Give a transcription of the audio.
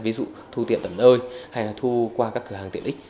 ví dụ thu tiệm tầm nơi hay là thu qua các cửa hàng tiện ích